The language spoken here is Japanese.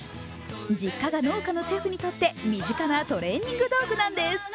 実家が農家のチェフにとって、身近なトレーニング道具なんです。